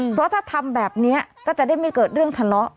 เพราะถ้าทำแบบนี้ก็จะได้ไม่เกิดเรื่องทะเลาะ